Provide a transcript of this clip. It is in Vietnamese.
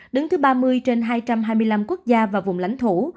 đứng thứ ba mươi trên hai trăm hai mươi năm quốc gia và vùng lãnh thổ